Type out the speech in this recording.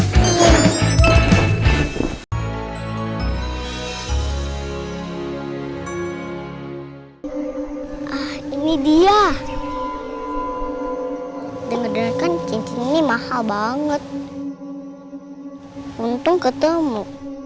hai ah ini dia denger denger kan cincin ini mahal banget untung ketemu